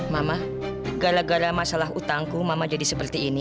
mama gara gara masalah utangku mama jadi seperti ini